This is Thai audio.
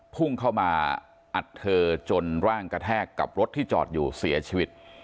พุ่งเข้ามาอัดเธอจนร่างกระแทกกับรถที่จอดอยู่เสียชีวิต